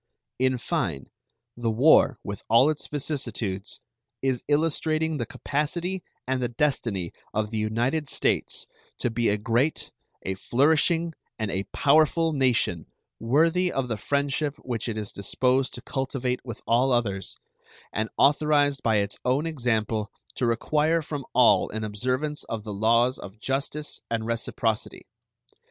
In fine, the war, with all its vicissitudes, is illustrating the capacity and the destiny of the United States to be a great, a flourishing, and a powerful nation, worthy of the friendship which it is disposed to cultivate with all others, and authorized by its own example to require from all an observance of the laws of justice and reciprocity.